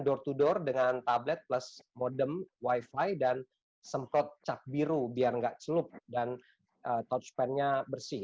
door to door dengan tablet plus modem wifi dan semprot cap biru biar enggak celup dan touchpane nya bersih